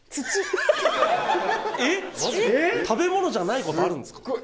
食べ物じゃないことあるんですか？